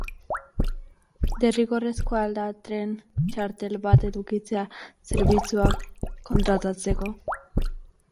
Derrigorrezkoa al da tren-txartel bat edukitzea zerbitzua kontratatzeko?